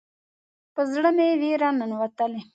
په زړه مې بیره ننوتلې